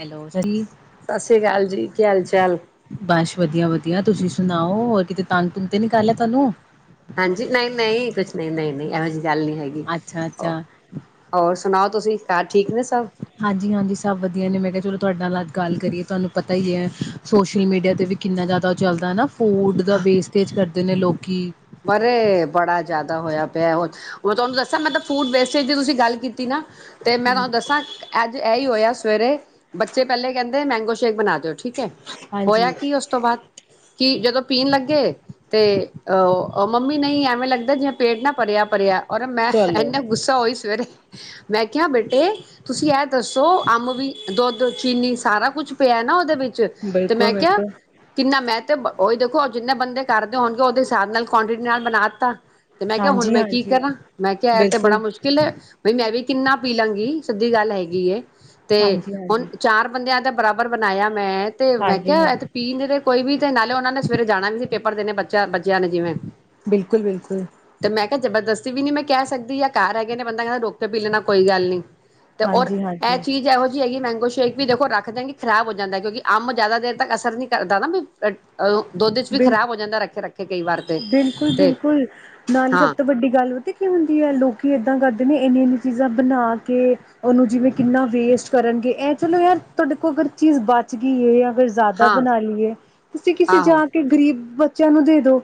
Hello ਜੀ ਸਤਿ ਸ੍ਰੀ ਅਕਾਲ ਜੀ ਕੀ ਹਾਲ ਚਾਲ। ਬਸ ਵਧੀਆ ਵਧੀਆ ਤੁਸੀਂ ਸੁਣਾਓ ਹੋਰ ਕਿਤੇ ਤੰਗ-ਤੁੰਗ ਤੇ ਨੀ ਕਰ ਲਿਆ ਤੁਹਾਨੂੰ ਹਾਂਜੀ ਨਈਂ ਨਈਂ, ਕੁਛ ਨਈਂ ਨਈਂ ਐਹੋ ਜੀ ਗੱਲ ਨੀ ਹੈਗੀ ਅੱਛਾ ਹੋਰ ਅੱਛਾ ਅ ਔਰ ਸੁਣਾਓ ਤੁਸੀਂ ਘਰ ਠੀਕ ਨੇ ਸਭ ਹਾਂਜੀ ਹਾਂਜੀ ਸਭ ਵਧੀਆ ਨੇ ਮੈਂ ਕਿਹਾ ਚਲੋ ਤੁਹਾਡੇ ਨਾਲ ਅੱਜ ਗੱਲ ਕਰੀਏ, ਤੁਹਾਨੂੰ ਪਤਾ ਈ ਐ ਸੋਸ਼ਲ ਮੀਡੀਆ ਤੇ ਵੀ ਕਿੰਨਾ ਜ਼ਿਆਦਾ ਚਲਦਾ ਨਾ ਫੂਡ ਦਾ ਵੇਸਟੇਜ ਕਰਦੇ ਨੇ ਲੋਕੀ ਅਰੇ ਬੜਾ ਜਿਆਦਾ ਹੋਇਆ ਪਿਆ, ਮ ਤੁਆਨੂੰ ਦੱਸਾਂ ਮੈਂ ਤਾਂ ਫੂਡ ਵੇਸਟੇਜ ਤੁਸੀਂ ਗੱਲ ਕੀਤੀ ਨਾ ਤੇ ਮੈਂ ਤੁਹਾਨੂੰ ਹਾਂਜੀ ਦੱਸਾਂ ਅੱਜ ਇਹੀ ਹੋਇਆ ਸਵੇਰੇ ਬੱਚੇ ਪਹਿਲੇ ਕਹਿੰਦੇ ਮੈਂਗੋ ਸ਼ੇਕ ਬਣਾ ਠੀਕ ਹੈ। ਹੋਇਆ ਹਾਂਜੀ, ਕੀ ਉਸ ਤੋਂ ਬਾਅਦ ਕੀ ਜਦੋਂ ਪੀਣ ਲੱਗੇ ਤੇ ਔ ਮੰਮੀ ਨਹੀਂ ਐਵੇਂ ਲੱਗਦਾ ਜਿਵੇ ਪੇਟ ਨਾ ਭਰਿਆ-ਭਰਿਆ ਅਰੇ ਮੈਂ ਫੇਰ ਚਲੋ ਇੰਨਾ ਗੁੱਸਾ ਹੋਈ ਫੇਰ ਮੈਂ ਕਿਹਾ ਬੇਟੇ, ਤੁਸੀਂ ਇਹ ਦੱਸੋ ਅੰਬ ਵੀ ਦੁੱਧ ਚੀਨੀ ਸਾਰਾ ਕੁੱਛ ਪਿਆ ਨਾ ਉਹਦੇ ਵਿੱ ਚ ਤੇ ਬਿਲਕੁਲ ਮੈਂ ਕਿਹਾ ਬਿਲਕੁਲ ਕਿੰਨਾ ਮੈਂ ਤੇ ਬ ਉਹੀ ਦੇਖੋ ਜਿੰਨੇ ਬੰਦੇ ਕਰਦੇ ਹੋਣਗੇ ਉਹਦੇ ਹਿਸਾਬ ਨਾ ਕੁਆਲਿਟੀ ਨਾਲ ਬਣਾ ਦਿੱਤਾ। ਤੇ ਮੈਂ ਕਿਹਾ ਹੁਣ ਹਾਂਜੀ ਮੈਂ ਕੀ ਹਾਂਜੀ ਕਰਾਂ ਮੈਂ ਕਿਹਾ ਇਹ ਤੇ ਬੜਾ ਬਿਲਕੁਲ ਮੁਸ਼ਕਿਲ ਹੈ। ਬਈ ਮੈਂ ਵੀ ਕਿੰਨਾ ਪੀ ਲਾਂਗੀ ਸਿੱਧੀ ਗੱਲ ਹੈਗੀ ਹੈ। ਤੇ ਹਾਂਜੀ ਹੁਣ ਹਾਂਜੀ ਚਾਰ ਬੰਦਿਆਂ ਦਾ ਬਰਾਬਰ ਬਣਾਇਆ। ਮੈਂ ਤੇ ਮੈਂ ਹਾਂਜੀ ਕਿਹਾ ਹਾਂਜੀ ਅਤੇ ਪੀ ਨੇ ਤੇ ਕੋਈ ਵੀ ਤੇ ਨਾਲੇ ਉਹਨਾਂ ਨੇ ਸਵੇਰੇ ਜਾਣਾ ਵੀ ਸੀ ਪੇਪਰ ਦੇਣੇ ਬੱਚੇ ਚਾ ਬੱਚਿਆ ਆਣਾ ਜਿਵੇਂ ਬਿਲਕੁਲ-ਬਿਲਕੁਲ। ਤੇ ਮੈਂ ਜਬਰਦਸਤੀ ਵੀ ਨੀ ਮੈਂ ਕਹਿ ਸਕਦੀ ਜਾਂ ਘਰ ਹੈਗੇ ਨੇ ਬੰਦਾ ਕਹਿੰਦਾ ਰੋਕ ਕੇ ਪੀ ਲੈਣਾ ਕੋਈ ਗੱਲ ਨੀ। ਤੇ ਔਰ ਹਾਂਜੀ ਇਹ ਹਾਂਜੀ ਚੀਜ਼ ਇਹੋ ਜਿਹੀ ਸ਼ੇਕ ਵੀ ਦੇਖੋ ਰੱਖ ਦਿੱਤਾ ਖਰਾਬ ਹੋ ਜਾਂਦਾ ਹੈ। ਕਿਉਂਕਿ ਅੰਬ ਜਿਆਦਾ ਦੇਰ ਤੱਕ ਅਸਰ ਨਹੀਂ ਕਰਦਾ ਨਾ। ਦੁੱਧ ਚ ਵੀ ਬਿਲ ਖ਼ਰਾਬ ਹੋ ਜਾਂਦਾ ਰੱਖੇ ਰੱਖੇ ਕਈ ਵਾਰ। ਤੇ, ਤੇ ਬਿਲਕੁਲ-ਬਿਲਕੁਲ ਨਾਲੇ ਸਭ ਹਾਂ, ਤੋਂ ਵੱਡੀ ਗੱਲ ਪਤੇ ਕੀ ਹੁੰਦੀ ਹੈ। ਲੋਕੀ ਇੱਦਾਂ ਕਰਦੇ ਨੇ ਇੰਨੀ ਇੰਨੀਆਂ ਚੀਜ਼ਾਂ ਬਣਾ ਕੇ ਉਹਨੂੰ ਜਿਵੇਂ ਕਿੰਨਾ ਵੇਸਟ ਕਰਨਗੇ ਇਹ ਚਲੋ ਯਾਰ ਤੁਹਾਡੇ ਕੋਲ ਅਗਰ ਚੀਜ਼ ਬਚ ਗਈ ਏ ਆ ਜ਼ਿਆਦਾ ਹਾਂ ਬਣਾ ਲਈਏ ਤੁੇ ਕਿਸੇ ਆਹੋ। ਜਾ ਕੇ ਗ਼ਰੀਬ ਬ ਬੱਚਿਆਂ ਨੂੰ ਦੇ ਦੋ।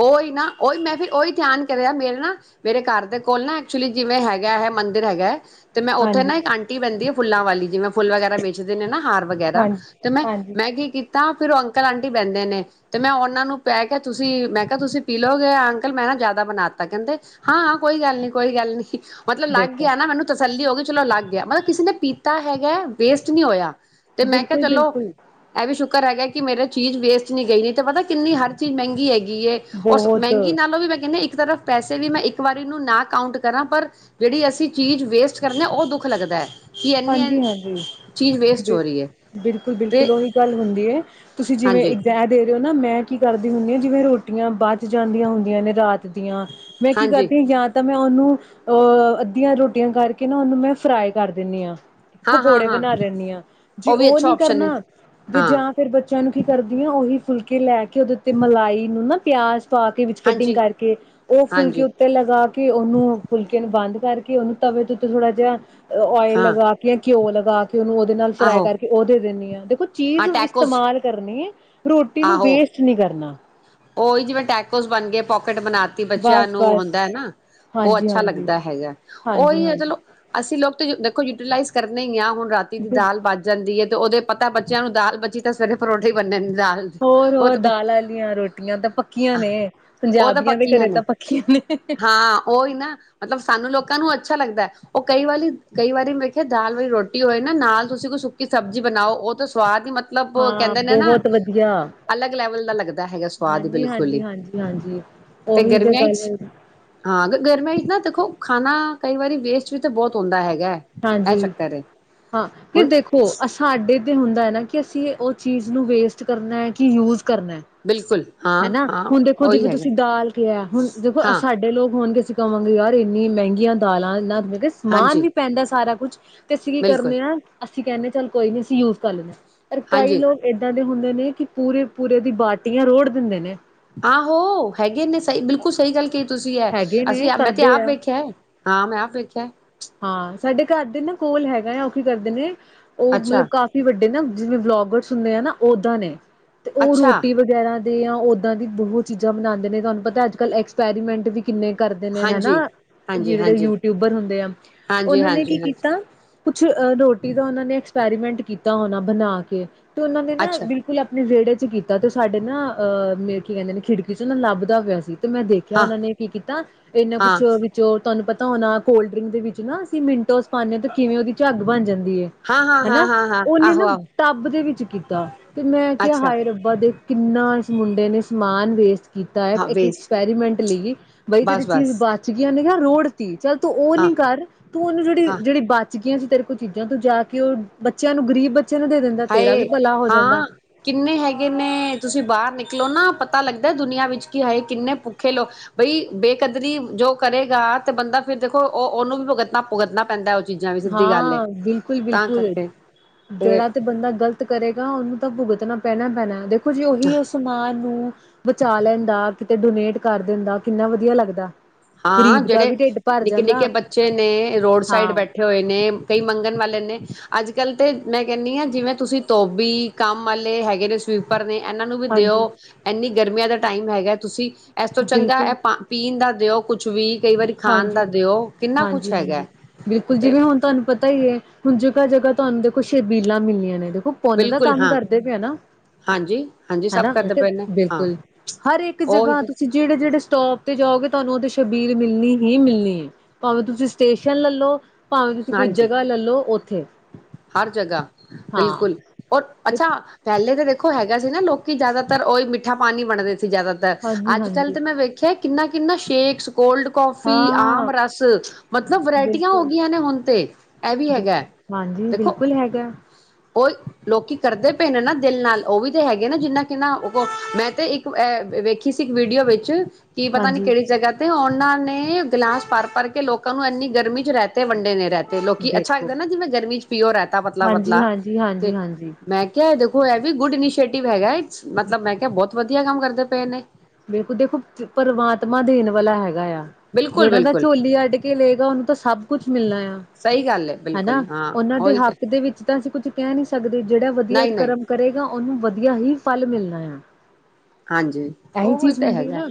ਉਹੀ ਨਾ ਉਹੀ ਮੈਂ ਫਿਰ ਉਹੀ ਧਿਆਨ ਕਰਿਆ ਮੇਰੇ ਨਾ ਮੇਰੇ ਘਰ ਦੇ ਕੋਲ ਨਾ ਐਕਚੁਲੀ ਜਿਵੇਂ ਹੈਗਾ ਹੈ, ਮੰਦਿਰ ਹੈਗਾ ਹੈ। ਤੇ ਮੈਂ ਉੱਥੇ ਹਾਂਜੀ, ਨਾ ਇੱਕ ਆਂਟੀ ਬੈਂਦੀ ਆ ਫੁੱਲਾਂ ਵਾਲੀ ਜਿਵੇਂ ਫੁੱਲ ਵਗੈਰਾ ਵੇਚਦੇ ਨੇ ਨਾ ਹਾਰ ਵਗੈਰਾ ਹਾਂਜੀ, ਤੇ ਮੈਂ ਹਾਂਜੀ ਮੈਂ ਕੀ ਕੀਤਾ ਫਿਰ ਉਹ ਅੰਕਲ ਆਂਟੀ ਬੰਦੇ ਨੇ ਤੇ ਮੈਂ ਉਹਨਾਂ ਨੂੰ ਪੈ ਕੇ ਤੁਸੀਂ ਮੈਂ ਤੁਸੀਂ ਪੀ ਲੋਗੇ ਅੰਕਲ ਮੈਂ ਨਾ ਜਿਆਦਾ ਬਣਾ ਤਾ ਕਹਿੰਦੇ ਹਾਂ-ਹਾਂ ਕੋਈ ਗੱਲ ਨੀ-ਕੋਈ ਗੱਲ ਨੀ। ਮਤਲਬ ਲੱਗ ਦੇਖੋ ਗਿਆ ਨਾ ਮੈਨੂੰ ਤਸੱਲੀ ਹੋ ਗਈ ਚਲੋ ਲੱਗ ਗਿਆ। ਮਤਲਬ ਕਿਸੇ ਨੇ ਪੀਤਾ ਹੈਗਾ ਵੇਸਟ ਨਹੀਂ ਹੋਇਆ। ਤੇ ਮੈਂ ਕਿਹਾ ਚਲੋ ਬਿਲਕੁਲ-ਬਿਲਕੁਲ ਇਹ ਵੀ ਸ਼ੁਕ ਹੈਗਾ ਕਿ ਮੇਰੇ ਚੀਜ਼ ਵੇਸਟ ਨਹੀ ਗਈ ਨੀ ਤੇ ਪਤਾ ਕਿੰਨੀ ਹਰ ਚੀਜ਼ ਮਹਿੰਗੀ ਹੈਗੀ ਹੈ। ਉਸ ਬਹੁਤ ਮਹਿੰਗੀ ਨਾਲੋਂ ਵੀ ਮੈਂ ਕਹਿੰਦੀ ਇੱਕ ਤਰਫ ਪੈਸੇ ਵੀ ਮੈਂ ਇੱਕ ਵਾਰੀ ਨੂੰ ਨਾ ਕਾਉਂਟ ਕਰਾਂ ਪਰ, ਜਿਹੜੀ ਅਸੀਂ ਚੀਜ਼ ਵੇਸਟ ਕਰਨੀ ਨਾ ਉਹ ਦੁੱਖ ਲੱਗਦਾ। ਕਿ ਇੰਨੀ ਹਾਂਜੀ-ਹਾਂਜੀ। ਚੀਜ਼ ਵੇਸਟ ਹੋ ਰਹੀ ਹੈ ਤੇ ਬਿਲਕੁਲ-ਬਿਲਕੁਲ ਉਹੀ ਗੱਲ ਹੁੰਦੀ ਹੈ, ਤੁਸੀਂ ਜਿਵੇਂ ਹਾਂਜੀ ਇਗਜ਼ੈ ਦੇ ਰਹੇ ਹੋ ਨਾ ਮੈਂ ਕੀ ਕਰ ਦੀ ਹੁੰਨੀ ਆ ਜਿਵੇਂ ਰੋਟੀਆਂ ਬਚ ਜਾਂਦੀਆਂ ਹੁੰਦੀਆਂ ਨੇ ਰਾਤ ਦੀਆਂ ਮੈਂ ਕੀ ਹਾਂਜੀ ਕਰਦੀ ਆ ਜਾਂ ਤਾਂ ਮੈਂ ਉਹਨੂੰ ਅੱਧੀਆਂ ਰੋਟੀਆਂ ਕਰਕੇ ਨਾ ਉਹਨੂੰ ਮੈਂ ਫਰਾਈ ਕਰ ਦਿੰਨੀ ਆ। ਹਾਂ ਹਾਂ ਪਕੌੜੇ ਹਾਂ ਬਣਾ ਲੈਂਨੀ ਆ। ਜੇ ਵੀ ਉਹ ਅੱਛਾ ਨੀ ਆਪਸ਼ਨ ਹੈ ਕਰਨਾ ਤੇ ਹਾਂ ਜਾਂ ਫਿਰ ਬੱਚਿਆਂ ਨੂੰ ਕੀ ਕਰਦੀ ਆ ਉਹੀ ਫੁਲਕੇ ਲੈ ਕੇ ਉਹਦੇ ਉੱਤੇ ਮਲਾਈ ਨੂੰ ਨਾ ਪਿਆਜ਼ ਪਾ ਕੇ ਵਿੱਚ ਕਟਿੰਗ ਹਾਂਜੀ ਕਰਕੇ, ਉਹ ਫੁਲਕੇ ਹਾਂਜੀ ਉੱਤੇ ਲਗਾ ਕੇ ਉਹਨੂੰ ਫੁਲ ਕੇ ਨੂੰ ਬੰਦ ਕਰਕੇ ਉਹਨੂੰ ਤਵੇ ਦੇ ਉੱਤੇ ਥੋੜ੍ਹਾ ਜਿਹਾ ਔਇਲ ਹਾਂ ਲਗਾ ਕੇ ਘਿਉ ਲਗਾ ਕੇ ਉਹਨੂੰ ਉਹਦੇ ਨਾਲ ਫਰਾਏ ਆਹੋ ਕਰਕੇ ਉਹ ਦੇ ਦਿੰਨੀ ਆ। ਉਹ ਹਾਂ ਚੀਜ਼ ਟੈਕੋਸ ਇਸਤੇਮਾਲ ਕਰਨੀ ਏ ਰੋਟੀ ਨੂੰ ਆਹੋ ਵੇਸਟ ਨਹੀ ਕਰਨਾ। ਉਹੀ ਜਿਵੇਂ ਟੈਕੋਸ ਬਣ ਗਏ ਪੋਕਟ ਬਣਾਤੀ ਬੱਚਿਆਂ ਬਸ ਨੂੰ ਬਸ ਹੁੰਦਾ ਨਾ, ਉਹ ਹਾਂਜੀ ਅੱਛਾ ਹਾਂਜੀ ਲੱਗਦਾ ਹੈਗਾ। ਹਾਂਜੀ ਉਹੀ ਹੈ ਹਾਂਜੀ ਚਲੋ ਅਸੀਂ ਲੋਕ ਦੇਖੋ ਯੂਟੀਲਾਈਜ਼ ਕਰਨੇ ਈ ਆ। ਹੁਣ ਰਾਤੀ ਦੀ ਦਾਲ ਬਚ ਜਾਂਦੀ ਏ ਤੇ ਉਹਦੇ ਪਤਾ ਬੱਚਾ ਬੱਚਿਆਂ ਨੂੰ ਦਾਲ ਬਚੀ ਤਾਂ ਸਵੇਰੇ ਪਰੋਠੇ ਈ ਬਨਨੇ ਨੇ। ਦਾਲ, ਹੋਰ ਉਹ ਹੋਰ ਤਾਂ ਪੱਕ, ਦਾਲ ਵਾਲੀਆਂ ਰੋਟੀਆਂ ਤਾਂ ਪੱਕੀਆਂ ਨੇ ਉਹ ਤਾਂ ਪੰਜਾਬੀਆਂ ਦੇ ਪੱਕੀਆ ਘਰੇ ਨੇ ਤਾਂ ਪੱਕੀਆਂ ਨੇ ਹਾਂ ਉਹੀ ਨਾ ਮਤਲਬ ਸਾਨੂੰ ਲੋਕਾਂ ਨੂੰ ਅੱਛਾ ਲੱਗਦਾ। ਉਹ ਕਈ ਵਾਲੀ ਉਹ ਕਈ ਵਾਰੀ ਵੇਖਿਆ ਦਾਲ ਵਾਲੀ ਰੋਟੀ ਹੋਏ ਨਾ ਨਾਲ ਤੁਸੀਂ ਕੋਈ ਸੁੱਕੀ ਸਬਜ਼ੀ ਬਣਾਓ ਸਵਾਦ ਹੀ ਮਤਲਬ ਹਾਂ ਕਹਿੰਦੇ ਨੇ ਨਾ, ਬਹੁਤ ਵਧੀਆ ਅਲੱਗ ਲੈਵਲ ਦਾ ਲੱਗਦਾ ਹੈਗਾ ਸਵਾਦ ਹੀ ਹਾਂਜੀ ਬਿਲਕੁਲ ਹਾਂਜੀ ਹੀ, ਹਾਂਜੀ ਹਾਂਜੀ ਤੇ ਉਹੀ ਗਰਮੀਆਂ ਗੱਲ 'ਚ, ਹੈ। ਹਾਂ ਗਰਮੀਆਂ ਵਿੱਚ ਨਾ ਦੇਖੋ ਖਾਣਾ ਕਈ ਵਾਰੀ ਵੇਸਟ ਵੀ ਤਾਂ ਬਹੁਤ ਹੁੰਦਾ ਹੈ ਹਾਂਜੀ ਹਾਂ ਫਿਰ ਹੁਣ ਦੇਖੋ ਸਾਡੇ ਹੁੰਦਾ ਹੈ ਨਾ ਕਿ ਅਸੀਂ ਉਹ ਚੀਜ਼ ਨੂੰ ਵੇਸਟ ਕਰਨਾ ਹੈ ਕਿ ਯੂਜ ਕਰਨਾ ਹੈ। ਬਿਲਕੁਲ ਹਾਂ ਹਨਾ ਹਾਂ ਹੁਣ ਦੇਖੋ ਉਹੀ ਜਿਵੇਂ ਹੈਗਾ ਤੁਸੀਂ ਦਾਲ ਕਿਹਾ ਹੁਣ ਦੇਖੋ ਹਾਂ ਸਾਡੇ ਲੋਕ ਹੁਣ ਤੁਸੀਂ ਕਵੋਂਗੇ ਯਾਰ ਇੰਨੀ ਮਹਿੰਗੀਆਂ ਦਾਲਾਂ ਇਹਨਾਂ ਤੇ ਸਮਾਨ ਹਾਂਜੀ ਵੀ ਪੈਂਦਾ ਸਾਰਾ ਕੁੱਛ। ਤੇ ਅਸੀਂ ਕੀ ਬਿਲਕੁਲ ਕਰਨੇ ਆ ਅਸੀ ਕਹਿੰਦੇ ਚੱਲ ਕੋਈ ਨੀ ਅਸੀ ਯੂਜ ਕਰ ਲੈਨੇ। ਪਰ ਕਈ ਹਾਂਜੀ ਲੋਕ ਏਦਾਂ ਦੇ ਹੁੰਦੇ ਨੇ ਕਿ ਪੂਰੇ ਪੂਰੇ ਦੀ ਬਾਟੀਆਂ ਰੋੜ ਦਿੰਦੇ ਨੇ ਆਹੋ ਹੈਗੇ ਨੇ ਸਹੀ ਬਿਲਕੁਲ ਸਹੀ ਗੱਲ ਤੁਸੀ ਹੈ ਹੈਗੇ ਅਸੀ ਨੇ ਮੈਂ ਤੇ ਕਰਦੇ ਆਪ ਆ ਵੇਖਿਆ ਹਾਂ ਮੈਂ ਆਪ ਵੇਖਿਆ ਹਾਂ ਸਾਡੇ ਘਰ ਦੇ ਨਾ ਕੋਲ ਹੈਗਾ ਆ ਉਹ ਕੀ ਕਰਦੇ ਨੇ ਓਹ ਅੱਛਾ ਮਤਲਬ ਕਾਫੀ ਵੱਡੇ ਨਾ ਜਿਵੇਂ ਵਲੋਗਰਸ ਹੁੰਦੇ ਆ ਨਾ ਓਦਾਂ ਨੇ ਤੇ ਓਹ ਅੱਛਾ ਰੋਟੀ ਵਗੈਰਾ ਤੇ ਆ ਓਦਾਂ ਦੀ ਬਹੁਤ ਚੀਜ਼ਾਂ ਬਨਾਦੇਂ ਨੇ ਤੁਹਾਨੂੰ ਪਤਾ ਅੱਜ ਕੱਲ੍ਹ ਐਕਸਪੈਰੀਮੈਂਟ ਵੀ ਕਿੰਨੇ ਕਰਦੇ ਨੇ ਹਨਾ ਹਾਂਜੀ ਹਾਂਜੀ ਜਿਹੜੇ ਹਾਂਜੀ ਯੂਟਿਊਬਰ ਹੁੰਦੇ ਆ ਹਾਂਜੀ ਓਹਨਾਂ ਨੇ ਕੀ ਹਾਂਜੀ ਹਾਂਜੀ ਕੀਤਾ ਕੁਛ ਰੋਟੀ ਦਾ ਓਨਾ ਨੇ ਐਕਸਪੈਰੀਮੈਂਟ ਕੀਤਾ ਹੋਣਾ ਬਨਾ ਕੇ ਉਹਨਾਂ ਨੇ ਨਾ ਅੱਛਾ ਬਿਲਕੁਲ ਆਪਣੇ ਵੇੜੇ ਕੀਤਾ ਤੇ ਸਾਡੇ ਨਾ ਅਹ ਮੇ ਕੀ ਕਹਿੰਦੇ ਨੇ ਖਿੜਕੀ ਚ ਨਾ ਲਾਭਦਾ ਪਿਆ ਸੀ ਤੇ ਮੈਂ ਦੇਖਿਆ ਹਾਂ ਉਹਨਾਂ ਨੇ ਕੀ ਕੀਤਾ ਇਨਾ ਹਾਂ ਕੁਛ ਵਿਚ ਤੁਹਾਨੂੰ ਪਤਾ ਹੋਨਾ ਕੋਲਡਰਿੰਕ ਦੇ ਵਿੱਚ ਨਾ ਅਸੀਂ ਮਿੰਟੋਸ ਪਾਹਨੇ ਤੇ ਕਿਵੇਂ ਉਹਦੀ ਝੱਗ ਬਣ ਜਾਂਦੀ ਹੈ ਹਾਂ ਹਾਂ ਹਾਂ ਹਨਾ ਹਾਂ ਹਾਂ ਉਹਨੇ ਆਹੋ ਨਾ ਆਹੋ ਟੱਬ ਦੇ ਵਿੱਚ ਕੀਤਾ ਤੇ ਮੈਂ ਕਿਹਾ ਅੱਛਾ ਹਾਏ ਰੱਬਾ ਦੇਖ ਕਿੰਨਾ ਇਸ ਮੁੰਡੇ ਨੇ ਸਮਾਨ ਵੇਖ ਕੀਤਾ ਹੈ ਹਾਂ ਇੱਕ ਵੇਸਟ ਐਕਸਪੈਰੀਮੈਂਟ ਲਈ ਬਈ ਤੇਰੀ ਬਸ ਚੀਜ਼ ਬਸ ਬਚ ਗਈਆਂ ਨੇ ਰੋੜ ਤੀ ਚੱਲ ਤੂ ਉਹ ਹਾਂ ਨਹੀਂ ਕਰ ਤੂੰ ਉਹਨੂੰ ਜੇਹੜੀ ਹਾਂ ਜੇਹੜੀ ਬਾਤ ਸੀ ਤੇਰੇ ਕੋ ਚੀਜ਼ਾਂ ਤੁ ਜਾਕੇ ਉਹ ਬੱਚਿਆਂ ਨੂੰ ਗ਼ਰੀਬ ਨੂੰ ਦੇ ਦਿੰਦਾ ਤੇਰਾ ਵੀ ਹਾਏ ਭਲਾ ਹੋ ਜਾਂਦਾ ਹਾਂ ਕਿੰਨੇ ਹੈਗੇ ਨੇ ਤੁਸੀਂ ਬਾਹਰ ਨਿਕਲ ਨਿਕਲੋ ਨਾ ਪਤਾ ਲੱਗਦਾ ਦੁਨੀਆਂ ਵਿੱਚ ਕਿ ਹਾਏ ਕਿੰਨੇ ਭੁੱਖੇ ਲਓ ਬਈ ਬੇਕਦਰੀ ਜੋ ਕਰੇਗਾ ਤੇ ਬੰਦਾ ਫਿਰ ਦੇਖੋ ਉਹ ਉਹਨੂੰ ਵੀ ਭੁਗਤਨਾ ਭੁਗਤਨਾ ਪੈਂਦਾ ਉਹ ਚੀਜ਼ਾਂ ਵੀ ਸਿੱਧੀ ਗੱਲ ਹੈ ਹਾਂ ਬਿਲਕੁਲ ਤਾਂ ਬਿਲਕੁਲ ਕਰਕੇ ਜਿੜਾ ਤੇ ਬੰਦਾ ਗਲਤ ਕਰੇਗਾ ਉਹਨੂੰ ਤਾਂ ਭੁਗਤਣਾ ਪੈਣਾ ਪੈਣਾ ਦੇਖੋ ਕੁੱਝ ਉਹੀ ਓ ਸਮਾਨ ਨੂੰ ਬਚਾ ਲੈੰਦਾ ਤੇ ਡੋਨੇਟ ਕਰ ਦੇੰਦਾ ਕਿੰਨਾ ਵਧੀਆ ਲੱਗਦਾ ਹਾਂ ਗ਼ਰੀਬ ਦਾ ਜਿਹੜੇ ਵੀ ਢਿੱਡ ਭਰ ਨਿੱਕੇ ਜਾਂਦਾ ਨਿੱਕੇ ਬੱਚੇ ਨੇਂ ਰੋਡ ਸਾਈਡ ਹਾਂ ਬੈਠੇ ਹੋਏ ਨੇ ਕਈ ਮੰਗਨ ਵਾਲੇ ਲੈਂਦੇ ਅੱਜ ਕੱਲ ਤੇ ਮੈਂ ਕੇਹਨਿ ਆਂ ਜਿਵੇਂ ਤੁਸੀਂ ਤੋਬੀ ਕੰਮ ਵਾਲੇ ਹੈਗੇ ਜੇੜੇ ਸਵੀਪਰ ਨੇ ਇਹਨਾਂ ਨੂੰ ਵੀ ਦਿਓ ਹਾਂਜੀ ਏਨੀ ਗਰਮੀਆਂ ਦਾ ਟਾਈਮ ਹੈਗਾ ਤੁਸੀਂ ਇਸ ਤੋਂ ਚੰਗਾ ਬਿਲਕੁਲ ਹੈ ਪਾ ਪੀਣ ਦਾ ਦੇਓ ਕੁਛ ਵੀ ਹਾਂਜੀ ਕਿੰਨਾ ਕੁਛ ਹਾਂਜੀ ਹੈਗਾ ਹਾਂਜੀ ਬਿਲਕੁਲ ਤੇ ਜਿਵੇਂ ਹੁਣ ਤੁਹਾਨੂੰ ਪਤਾ ਹੀ ਹੈ ਹੁਣ ਜਗ੍ਹਾ ਜਗ੍ਹਾ ਤੁਹਾਨੂੰ ਦੇਖੋ ਛਬੀਲਾ ਮਿਲ ਰਹੀਆਂ ਉਹ ਪੁੰਨ ਦਾ ਬਿਲਕੁਲ ਕੰਮ ਹਾਂ ਕਰਦੇ ਪਏ ਨਾ ਹਾਂਜੀ ਹਾਂਜੀ ਹੈ ਸਭ ਨਾ ਕਰਦੇ ਪਏ ਨੇ ਹਾਂ ਬਿਲਕੁਲ ਹਰ ਇੱਕ ਉਹੀ ਜਗ੍ਹਾ ਤੇ ਤੁਸੀਂ ਜਿਹੜੇ ਜਿਹੜੇ ਸਟੋਪ ਤੇ ਜਾਓਗੇ ਤੁਹਾਨੂੰ ਉਹਦੇ ਛਬੀਲ ਮਿਲਣੀ ਹੀ ਮਿਲਣੀ ਹੈ ਭਾਵੇਂ ਤੁਸੀਂ ਸਟੇਸ਼ਨ ਲੈਲੋ ਭਾਵੇਂ ਤੁਸੀਂ ਕੋਈ ਹਾਂਜੀ ਜਗ੍ਹਾ ਲੈਲੋ ਉੱਥੇ ਹਰ ਜਗ੍ਹਾ ਹਾਂ ਬਿਲਕੁਲ ਔਰ ਦੇ- ਅੱਛਾ ਪਹਿਲੇ ਦੇਖੋ ਹੈਗਾ ਸੀ ਨਾ ਲੋਕੀ ਜ਼ਿਆਦਾਤਰ ਉਹੀ ਮਿੱਠਾ ਪਾਣੀ ਬਣਦੇ ਸੀ ਜ਼ਿਆਦਾਤਰ ਹਾਂਜੀ ਅੱਜ ਕੱਲ੍ਹ ਹਾਂਜੀ ਤੇ ਮੈਂ ਵੇਖਿਆ ਕਿੰਨਾ ਕਿੰਨਾ ਸ਼ੇਕਸ ਕੋਲਡ ਕਫੀ ਆਮ ਹਾਂ ਰਸ ਮਤਲਬ ਵਰਾਇਟੀਆਂ ਹੋ ਬਿਲਕੁਲ ਗਈਆਂ ਨੇ ਹੁਣ ਤੇ ਇਹ ਵੀ ਹੈਗਾ ਜੀ ਦੇਖੋ ਬਿਲਕੁਲ ਹੈਗਾ ਹ ਉਹ ਲੋਕੀ ਕਰਦੇ ਪਏ ਨੇ ਨਾ ਦਿਲ ਨਾਲ ਉਹ ਵੀ ਤਾਂ ਹੈਗੇ ਨਾ ਜਿੰਨਾ ਜਿੰਨਾ ਉਹ ਮੈਂ ਤੇ ਇੱਕ ਵੇਖੀ ਸੀ ਇੱਕ ਵੀਡੀਓ ਵਿੱਚ ਕੀ ਪਤਾ ਨੀ ਹਾਂਜੀ ਕਿਹੜੀ ਜਗ੍ਹਾ ਤੇ ਉਹਨਾਂ ਨੇ ਗਿਲਾਸ ਭਰ ਭਰ ਕੇ ਲੋਕਾਂ ਨੂੰ ਇੰਨੀ ਗਰਮੀ ਚ ਰਹਿਤੇ ਵੰਡੇ ਨੇ ਰਹਿਤੇ ਤੇ ਲੋਕੀ ਅੱਛਾ ਦੇਖੋ ਲੱਗਦਾ ਨਾ ਜਿਵੇਂ ਗਰਮੀ ਚ ਪੀਓਰ ਰਹਤਾ ਪਤਲਾ ਪਤਲਾ ਜੀ ਤੇ ਹਾਂਜੀ ਹਾਂਜੀ ਮੈਂ ਕਿਹਾ ਦੇਖੋ ਇਹ ਵੀ ਗੁਡ ਇਨੀਸ਼ੀਟਵ ਹੈਗਾ ਮਤਲਬ ਮੈਂ ਕਿਹਾ ਬਹੁਤ ਵਧੀਆ ਵਧੀਆ ਕੰਮ ਕਰਦੇ ਪਏ ਨੇ ਬਿਲਖੁਲ ਦੇਖੋ ਪਰਮਾਤਮਾ ਦੇਣ ਵਾਲਾ ਹੈਗਾ ਆ ਬਿਲਕੁਲ ਜਿਹੜਨਾਂ ਦਾ ਬਿਲਕੁਲ ਝੋਲੀ ਅੱਡ ਕੇ ਲਏਗਾ ਉਹਨੂੰ ਤਾਂ ਸਭ ਕੁਛ ਮਿਲਣਾ ਆ ਸਹੀ ਗੱਲ ਹੈ ਨਾ ਬਿਲਕੁਲ ਹਾਂ ਉਹਨਾਂ ਦੇ ਉਹੀ ਤੇ ਹੱਕ ਦੇ ਵਿੱਚ ਤਾਂ ਅਸੀਂ ਕੁੱਛ ਕਹਿ ਨੀ ਸਕਦੀ ਜਿਹੜਾ ਵਧੀਆ ਨਹੀਂ ਨਹੀਂ ਕਰਮ ਕਰੇਗਾ ਉਹਨੂੰ ਵਧੀਆ ਹੀ ਫਲ ਮਿਲਣਾ ਹੈਲੋ ਹਾਂਜੀ ਇਹੀ ਉਹੀ ਚੀਜ਼ ਤੇ ਹੁੰਦੀ ਹੈਗਾ ਨਾ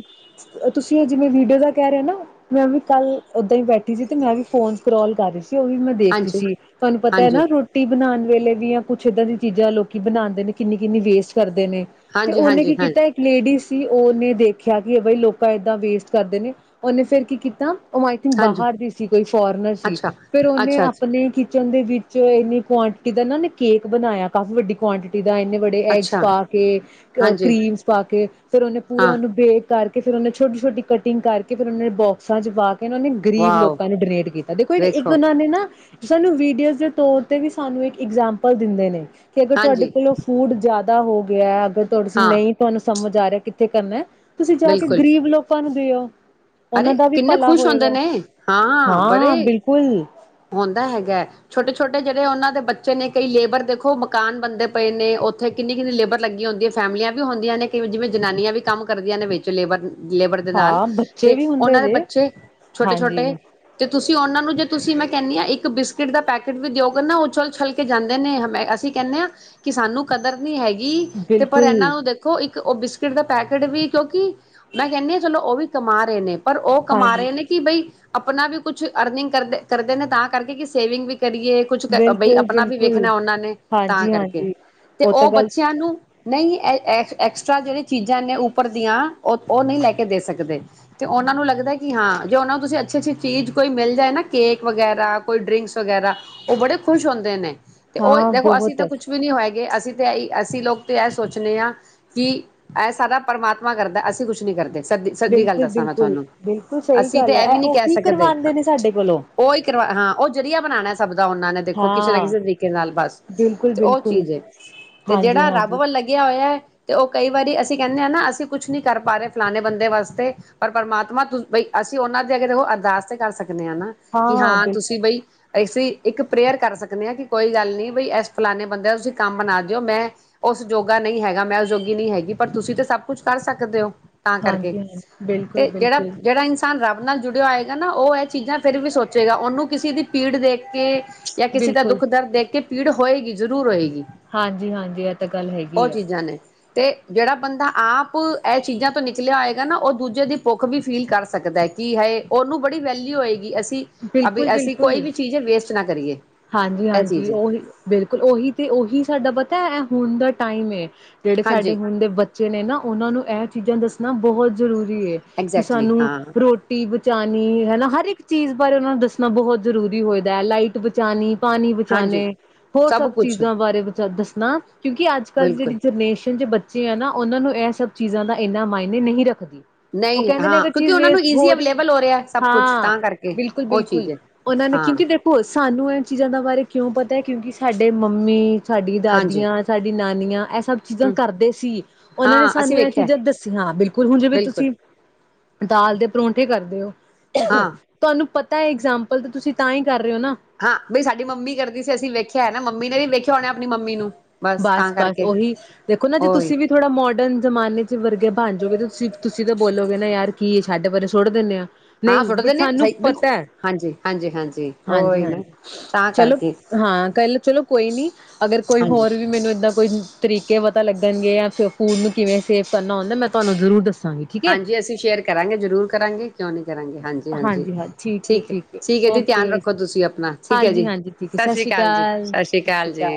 ਤੁਸੀਂ ਜਿਵੇਂ ਵੀਡੀਓ ਦਾ ਕਹਿ ਰਹੇ ਹੋ ਨਾ ਮੈਂ ਵੀ ਕੱਲ ਓਦਾਂ ਹੀ ਬੈਠੀ ਸੀ ਤੇ ਮੈਂ ਵੀ ਫੋਨ ਸਕਰੋਲ ਕਰ ਰਹੀ ਸੀ ਉਹ ਵੀ ਮੈਂ ਦੇਖ ਰਹੀ ਹਾਂਜੀ ਹਾਂਜੀ ਸੀ ਤੁਹਾਨੂੰ ਪਤਾ ਹੈ ਨਾ ਰੋਟੀ ਬਣਾਉਣ ਵੇਲੇ ਵੀ ਆ ਕੁਛ ਇੱਦਾਂ ਦੀ ਚੀਜ਼ਾਂ ਲੋਕੀ ਬਣਾਉਦੇ ਨੇ ਕਿੰਨੀ ਕਿੰਨੀ ਵੇਸਟ ਕਰਦੇ ਨੇ ਤੇ ਹਾਂਜੀ ਉਹਨੇ ਹਾਂਜੀ ਕੀ ਕੀਤਾ ਹਾਂਜੀ ਇੱਕ ਲੇਡੀਜ਼ ਸੀ ਉਹਨੇ ਦੇਖਿਆ ਕਿ ਬਈ ਲੋਕਾਂ ਏਦਾਂ ਵੇਸਟ ਕਰਦੇ ਨੇ ਉਹਨੇ ਫੇਰ ਕੀ ਕੀਤਾ ਉਹ ਆਈ ਥਿੰਕ ਹਾਂਜੀ ਬਾਹਰ ਦੀ ਸੀ ਕੋਈ ਫੋਰਨਰ ਸੀ, ਅੱਛਾ, ਫਿਰ ਉਹਨੇ ਅੱਛਾ, ਅੱਛਾ, ਆਪਣੇ ਕਿਚਨ ਦੇ ਵਿੱਚ ਚ ਇੰਨੀ ਕੁਆਂਟਿਟੀ ਦਾ ਨਾ ਨੇ ਕੇਕ ਬਣਾਇਆ ਕਾਫ਼ੀ ਵੱਡੀ ਕੁਆਂਟਿਟੀ ਆ ਇੰਨੇ ਬੜੇ ਐਗਸ ਅੱਛਾ ਪਾ ਕੇ ਅ ਹਾਂਜੀ, ਕਰੀਮਸ ਪਾ ਕੇ ਉਹਨੇ ਪੂਰਾ ਹਾਂ, ਅਨੁਭੇਖ ਕਰਕੇ ਫ਼ਿਰ ਉਹ ਨੇ ਛੋਟੀ ਛੋਟੀ ਕਟਿੰਗ ਕਰਕੇ ਫਿਰ ਉਹਨਾਂ ਨੇ ਬੋਕਸਾਂ ਚ ਵ ਇਹਨਾਂ ਨੇ ਗਰੀਬ ਵਾਓ ਲੋਕਾਂ ਨੂੰ ਡੋਨੇਟ ਕੀਤਾ, ਦੇਖੋ ਇੱਕ ਵੇਖੋ ਉਹਨਾਂ ਨੇ ਨਾ ਸਾਨੂੰ ਵੀਡੀਓਜ਼ ਦੇ ਤੌਰ ਤੇ ਵੀ ਸਾਨੂੰ ਇੱਕ ਇਗਜੈਂਪਲ ਦਿੰਦੇ ਨੇ ਕਿ ਅਗਰ ਤੁਹਾਡੇ ਹਾਂਜੀ, ਕੋਲੋਂ ਫੂਡ ਜ਼ਿਆਦਾ ਅੱਧਾ ਹੋ ਗਿਆ ਅੱ ਤੋੜੀ ਸੀ ਹਾਂ ਨਹੀਂ ਤੁਹਾਨੂੰ ਸਮਝ ਜਾਰੇ ਕਿੱਥੇ ਕਰਨਾ ਐ? ਤੁਸੀਂ ਜਾ ਕੇ ਬਿਲਕੁਲ ਗ਼ਰੀਬ ਲੋਕਾਂ ਨੂੰ ਤੇ ਉਹ ਅਰੇ ਕਿੰਨੇ ਖੁਸ਼ ਹੁੰਦੇ ਨੇ ਹਾਂ ਬੜੇ ਹੁੰਦਾ ਹੈਗਾ ਛੋਟੇ ਛ ਛੋਟੇ ਜਿਹੜੇ ਉਹਨਾਂ ਦੇ ਬੱਚੇ ਨੇ ਕਈ ਲੇਬਰ ਦੇਖੋ ਮਕਾਨ ਬੰਦੇ ਪਏ ਨੇ ਉੱਥੇ ਕਿੰਨੀ- ਕਿੰਨੀ ਲੇਬਰ ਲੱਗੀ ਹੁੰਦੀ ਹੈ, ਫੈਮਲੀਆਂ ਵੀ ਹੁੰਦੀਆਂ ਨੇ ਕਈ ਜਿਵੇਂ ਜਨਾਨੀਆਂ ਵੀ ਕੰਮ ਕਰਦੀਆਂ ਨੇ ਵਿੱਚ ਲੇਬਰ। ਲੇਬਰ ਦੇ ਨਾਲ ਹਾਂ ਬੱਚੇ ਤੇ ਵੀ ਹੁੰਦੇ ਉਹਨਾਂ ਦੇ ਜੇ ਬੱਚੇ ਛੋਟੇ- ਹਾਂਜੀ ਛੋਟੇ ਤੇ ਤੁਸੀਂ ਉਹਨਾਂ ਨੂੰ ਜੇ ਤੁਸੀਂ ਮੈਂ ਕਹਿੰਦੀ ਹਾਂ ਇੱਕ ਬਿਸਕਿਟ ਦਾ ਪੈਕੇਟ ਵੀ ਦਿਓਗੇ ਨਾ ਉਹ ਉਛਲ ਉਛਲ ਕੇ ਜਾਂਦੇ ਨੇ ਹ ਅਸੀਂ ਕਹਿੰਦੇ ਹਾਂ ਕਿ ਸਾਨੂੰ ਕਦਰ ਨਹੀਂ ਹੈਗੀ ਤੇ ਪਰ ਇਹਨਾਂ ਬਿਲਕੁਲ ਨੂੰ ਦੇਖੋ ਇੱਕ ਉਹ ਬਿਸਕਿਟ ਦਾ ਪੈਕੇਟ ਵੀ ਕਿਉਂਕਿ ਮੈਂ ਕਹਿੰਦੀ ਹਾਂ ਚਲੋ ਉਹ ਵੀ ਕਮਾ ਦੇ ਨੇ ਪਰ ਉਹ ਕਮਾ ਹਾਂਜੀ ਰਹੇ ਨੇ ਕਿ ਬਈ ਆਪਣਾ ਵੀ ਕੁਛ ਅਰਨਿੰਗ ਕਰਦੇ- ਕਰਦੇ ਨੇ ਤਾਂ ਕਰਕੇ ਕਿ ਸੇਵਿੰਗ ਵੀ ਕਰੀਏ ਕੁਛ ਬਈ ਆਪਣਾ ਵੀ ਬਿਲਕੁਲ-ਬਿਲਕੁਲ, ਵੇਖਣਾ ਉਹਨਾਂ ਨੇ ਤਾਂ ਕਰਕੇ ਹਾਂਜੀ-ਹਾਂਜੀ। ਤੇ ਤਾਂ ਉਹ ਗੱਲ ਬੱਚਿਆਂ ਨੂੰ ਨਹੀਂ ਇਹ ਐਕਸ ਐਕਸਟਰਾ ਜਿਹੜੀ ਚੀਜ਼ਾਂ ਨੇ ਉੱਪਰ ਦੀਆਂ ਉਹ ਉਹ ਨਹੀਂ ਲੈ ਕੇ ਦੇ ਸਕਦੇ। ਤੇ ਉਹਨਾਂ ਨੂੰ ਲੱਗਦਾ ਕਿ ਹਾਂ ਜੇ ਉਹਨਾਂ ਨੂੰ ਤੁਸੀਂ ਅੱਛੀ-ਅੱਛੀ ਚੀਜ਼ ਕੋਈ ਮਿਲ ਜਾਏ ਨਾ ਕੇਕ ਵਗੈਰਾ ਕੋਈ ਡਰਿੰਕਸ ਵਗੈਰਾ ਉਹ ਬੜੇ ਖੁਸ਼ ਹੁੰਦੇ ਨੇ ਤੇ ਉਹ ਹਾਂ ਦੇਖੋ ਅਸੀਂ ਬਹੁਤ ਤਾਂ ਕੁੱਛ ਵੀ ਨੀ ਹੋਏਗੇ ਅਸੀਂ ਤੇ ਆਈ ਅਸੀਂ ਲੋਕ ਤੇ ਇਹ ਸੋਚਦੇ ਹਾਂ ਕਿ ਇਹ ਸਾਰਾ ਪਰਮਾਤਮਾ ਕਰਦਾ ਅਸੀਂ ਕੁਛ ਨੀ ਕਰਦੇ। ਸ ਸੱਚੀ ਗੱਲ ਦੱਸ ਬਿਲਕੁ ਬਿਲਕੁਲ ਸਹੀ ਗੱਲ ਐ, ਉਹੀ ਸਕਦੇ ਕਰਵਾਂਦੇ ਨੇ ਸਾਡੇ ਕੋਲੋਂ ਉਹੀ ਹਾਂ ਉਹ ਜਰੀਆ ਬਣਾਣਾ ਸਭ ਉਹਨਾਂ ਨੇ ਦੇਖੋ ਕਿਸੇ ਨਾ ਹਾਂ ਕਿਸੇ ਤਰੀਕੇ ਨਾਲ ਬਸ ਤੇ ਉਹ ਬਿਲਕੁਲ-ਬਿਲਕੁਲ, ਚੀਜ਼ ਏ ਤੇ ਜਿਹੜਾ ਰੱਬ ਹਾਂਜੀ-ਹਾਂਜੀ, ਵੱਲ ਲੱਗਿਆ ਹੋਇਆ ਹੈ ਤੇ ਉਹ ਕਈ ਵਾਰੀ ਅਸੀਂ ਕਹਿੰਦੇ ਹਾਂ ਨਾ ਅਸੀਂ ਕੁਛ ਨਹੀਂ ਕਰ ਪਾ ਰਹੇ ਫਲਾਣੇ ਬੰਦੇ ਵਾਸਤੇ ਪਰ ਪਰਮਾਤਮਾ ਤੁ ਬਈ ਅਸੀਂ ਉਹਨਾਂ ਦੇ ਅਗੇ ਦੇਖੋ ਅਰਦਾਸ ਤੇ ਕਰ ਸਕ ਦੇ ਆ ਨਾ ਕਿ ਹਾਂ ਤੁਸੀਂ ਬਈ ਅਸੀੇ ਇੱਕ ਪ੍ਰੇਅਰ ਕਰ ਸਕਨੇ ਹਾਂ ਕਿ ਕੋਈ ਗੱਲ ਨਹੀਂ ਬਈ ਇਸ ਫਲਾਨੇ ਬੰਦੇ ਦਾ ਤੁਸੀਂ ਕੰਮ ਬਣਾ ਦਿਓ ਮੈਂ ਉਸਯੋਗਾ ਨਹੀਂ ਹੈਗਾ, ਮੈਂ ਉਸਯੋਗੀ ਨਹੀਂ ਹੈਗੀ ਪਰ ਤੁਸੀਂ ਤਾਂ ਸਭ ਕੁਛ ਕਰ ਸਕਦੇ ਹੋ। ਤਾਂ ਕਰਕੇ ਹਾਂਜੀ-ਹਾਂਜੀ ਬਿਲ ਤੇ ਜਿਹੜਾ-ਜਿਹੜਾ ਇਨਸਾਨ ਰੱਬ ਨਾਲ ਜੁੜਿਆ ਹੋਏਗਾ ਨਾ ਉਹ ਇਹ ਚੀਜ਼ਾਂ ਫੇਰ ਵੀ ਸੋਚੇਗਾ ਉਹਨੂੰ ਕਿਸੇ ਦੀ ਪੀੜ ਦੇਖ ਕੇ ਜਾਂ ਕਿਸੇ ਦਾ ਬਿਲਕੁਲ ਦੁੱਖ ਦਰਦ ਦੇਖ ਕੇ ਪੀੜ ਹੋਏਗੀ ਜ਼ਰੂਰ ਹੋਏਗੀ ਹਾਂਜੀ-ਹਾਂਜੀ ਇਹ ਤਾਂ ਗੱਲ ਉਹ ਹੈਗੀ ਆ। ਚੀਜ਼ਾਂ ਨੇ। ਤੇ ਜਿਹੜਾ ਬੰਦਾ ਆਪ ਇਹ ਚੀਜ਼ਾਂ ਤੋਂ ਨਿਕਲਿਆ ਹੋਏਗਾ ਨਾ ਉਹ ਦੂਜੇ ਦੀ ਭੁੱਖ ਵੀ ਫੀਲ ਕਰ ਸਕਦਾ ਕਿ ਹੈਏ ਉਹਨੂੰ ਬੜੀ ਵੈਲਿਊ ਹੋਏਗੀ ਅਸ ਅਭੀ ਐਸੀ ਕੋਈ ਬਿਲਕੁਲ-ਬਿਲਕੁਲ ਵੀ ਚੀਜ਼ ਹੈ ਵੇਸਟ ਨਾ ਕਰੀਏ। ਇਹ ਹਾਂਜੀ-ਹਾਂਜੀ ਚੀਜ਼ ਹੈ। ਉਹੀ ਬਿਲਕੁਲ ਉਹੀ ਤੇ ਉਹੀ ਸਾਡਾ ਪਤਾ ਹੁਣ ਦਾ ਟਾਈਮ ਏ। ਜਿਹੜੇ ਸਾਡੇ ਹਾਂਜੀ ਹੁਣ ਦੇ ਬੱਚੇ ਨੇ ਨਾ ਉਹਨਾਂ ਨੂੰ ਇਹ ਚੀਜ਼ਾਂ ਦੱਸ ਨਾ ਬਹੁਤ ਜ਼ਰੂਰੀ ਰੀ ਏ ਕਿ ਐਗਜੈਕਟਲੀ ਸਾਨੂੰ ਹਾਂ ਰੋਟੀ ਬਚਉਣੀ ਹਨਾ ਹਰ ਇੱਕ ਚੀਜ਼ ਬਾਰੇ ਉਹਨਾਂ ਨੂੰ ਦੱਸਣਾ ਬਹੁਤ ਜ਼ਰੂਰੀ ਹੋਈਦਾ ਹੈ ਲਾਈਟ ਵਿ [unintelligible] ਪਾਣੀ ਹਾਂਜੀ ਬਚਾਉਣੇ ਹੋਰ ਸਭ ਚੀਜ਼ਾਂ ਬਾਰੇ ਬ ਦੱਸਣਾ ਕਿਉਂਕਿ ਅੱਜ ਕੱਲ੍ਹ ਦੀ ਜਿਹੜੀ ਬਿਲਕੁਲ ਜਨਰੇਸ਼ਨ ਜ ਬੱਚੇ ਆ ਨਾ ਉਹਨਾਂ ਨੂੰ ਇਸ ਸਭ ਚੀਜ਼ਾਂ ਦਾ ਇੰਨਾ ਮਾਇਨੇ ਨਹੀਂ ਰੱਖਦੀ। ਉਹ ਨਹੀਂ ਕਹਿੰਦੇ ਨੇ ਹਾਂ ਅਗਰ ਕਿਉਂਕਿ ਚੀਜ਼ ਉਹਨਾਂ ਨੂੰ ਵੇਸਟ ਹੋ ਈਜ਼ੀ ਰਹੀ ਅਵੇਲੇਬਲ ਹੋ ਰਿਹਾ ਸਭ ਕੁਛ ਹਾਂ ਤਾਂ ਕਰਕੇ ਬਿਲਕੁਲ- ਉਹ ਬਿਲਕੁਲ ਚੀਜ਼ ਹੈ ਉਹਨਾਂ ਨੇ ਹਾਂ ਕਿਉਂਕਿ ਦੇਖੋ ਚੀਜ਼ਾਂ ਦਾ ਬਾਰੇ ਕਿਉਂ ਪਤਾ ਹੈ ਕਿਉਂਕਿ ਸਾਡੇ ਮੰਮੀ ਸਾਡੀ ਹਾਂਜੀ ਦਾਦੀਆਂ ਸਾਡੀ ਨਾਨੀਆਂ ਇਹ ਸਭ ਚੀਜ਼ਾਂ ਹਮ ਕਰਦੇ ਸੀ ਉਹਨਾਂ ਨੇ ਹਾਂ ਅਸੀਂ ਸਾਨੂੰ ਇਹ ਵੇਖਿਆ ਚੀਜ਼ਾਂ ਦੱਸੀਆਂ ਬਿਲਕੁਲ ਹੁਣ ਜਿਵੇਂ ਬਿਲਕੁਲ ਤੁਸੀਂ ਦਾਲ ਦੇ ਪਰੋਂਂਠੇ ਕਰ [inaudible] ਹਾਂ ਤੁਹਾਨੂੰ ਪ ਤਾਂ ਇਗਜਾਮਪਲ ਤੁਸੀਂ ਤਾਂ ਹੀ ਕਰ ਰਹੇ ਹੋ ਨਾ। ਹਾਂ ਬਈ ਸਾਡੀ ਮੰਮੀ ਕਰਦੀ ਸੀ ਅਸੀਂ ਵੇਖਿਆ ਹਨ ਨਾ ਮੰਮੀ ਨੇ ਵੀ ਵੇਖਿਆ ਹੋ ਆਪਣੀ ਮੰਮੀ ਨੂੰ। ਬਸ ਤਾਂ ਬਸ-ਬਸ ਕਰਕੇ ਉਹੀ ਦੇਖੋ ਨਾ ਜੇ ਉਹੀ ਤੁਸੀਂ ਵੀ ਥੋੜਾ ਮੋਡਰਨ ਜ਼ਮਾਨੇ ਚ ਵਰਗੇ ਬਣ ਜੋਗੇ ਤਾਂ ਤੁਸੀਂ, ਤੁਸੀਂ ਤਾਂ ਬੋਲੋਗੇ ਨਾ ਯਾਰ ਕੀ ਛਡ ਪਰੇ ਸੁਟ ਦਿੰਨੇ ਹਾਂ। ਹਾਂ ਨਹੀਂ ਸੁੱਟ ਬਟ ਦਿੰਦੇ ਸਾਨੂੰ ਸਹੀ ਬਿਲਕੁਲ ਪਤਾ ਹੈ ਹਾਂਜੀ ਹਾਂਜੀ ਹਾਂਜੀ ਉਹੀ ਨਾ ਹਾਂਜੀ-ਹਾਂਜੀ ਤਾਂ ਚਲੋ ਕਰਕੇ ਹਾਂ ਕਲ ਚਲੋ ਕੋਈ ਨੀ ਅਗਰ ਕੋਈ ਹਾਂਜੀ ਹੋਰ ਬਸ ਉਹੀ ਤਰੀਕੇ ਪਤਾ ਲੱਗਣਗੇ ਜਾਂ ਫ ਫੂਡ ਨੂੰ ਕਿਵੇਂ ਸੇਵ ਕਰਨਾ ਹੁੰਦਾ ਮੈਂ ਤੁਹਾਨੂੰ ਜ਼ਰੂਰ ਦੱਸ ਹਾਂਜੀ ਅਸੀਂ ਸ਼ੇਅਰ ਕਰਾਂਗੇ ਜ਼ਰੂਰ ਕਰਾਂਗੇ ਕਿਉਂ ਨੀ। ਕਰਾਂਗੇ ਹਾਂਜੀ-ਹਾਂਜੀ ਠੀਕ ਹੈ, ਠੀਕ ਹੈ ਜੀ ਧਿਆਨ ਰੱਖੋ ਤੁਸੀਂ ਆਪਣਾ ਠੀਕ ਹੈ ਹਾਂਜੀ ਜੀ ਹਾਂਜੀ ਠੀਕ ਹੈ ਸਤਿ ਸ੍ਰੀ ਸ਼੍ਰੀ ਅਕਾਲ ਜੀ, ਸਤਿ ਸ੍ਰੀ ਅਕਾਲ ਸ਼੍ਰੀ ਜੀ।